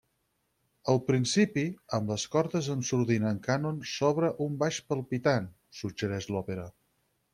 El principi, amb les cordes amb sordina en cànon sobre un baix palpitant, suggereix l'òpera.